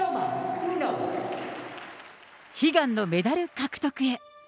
悲願のメダル獲得へ。